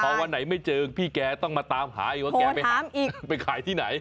พอวันไหนไม่เจอพี่แกต้องมาตามหาอีกว่าแกไปหาอีกไปขายที่ไหน